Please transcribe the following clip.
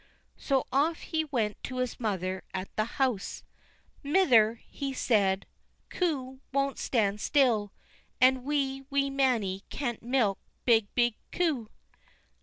So off he went to his mother at the house. "Mither," said he, "coo won't stand still, and wee, wee Mannie can't milk big, big coo."